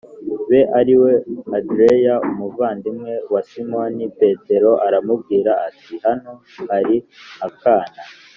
Be ari we andereya umuvandimwe wa simoni petero aramubwira ati hano hari akana